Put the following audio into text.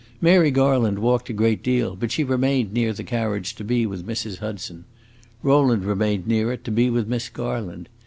Mary Garland walked a great deal, but she remained near the carriage to be with Mrs. Hudson. Rowland remained near it to be with Miss Garland.